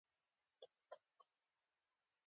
پاڼې د لمر وړانګې جذبوي